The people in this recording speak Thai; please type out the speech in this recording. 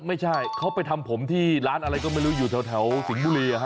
ไม่ใช่เขาไปทำผมที่ร้านอะไรก็ไม่รู้อยู่แถวสิงห์บุรี